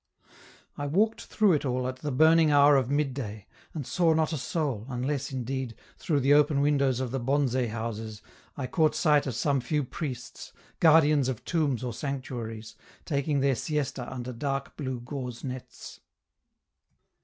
I walked through it all at the burning hour of midday, and saw not a soul, unless, indeed, through the open windows of the bonze houses, I caught sight of some few priests, guardians of tombs or sanctuaries, taking their siesta under dark blue gauze nets.